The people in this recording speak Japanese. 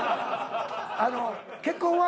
あの「結婚は？」